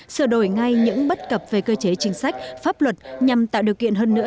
sửa đổi ngay những bất cập về cơ chế chính sách pháp luật nhằm tạo điều kiện hơn nữa